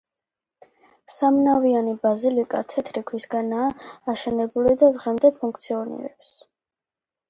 სამნავიანი ბაზილიკა თეთრი ქვისგანაა აშენებული და დღემდე ფუნქციონირებს.